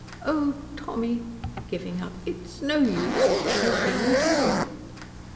"Oh, Tommy," giving up, "it's no use talking at all."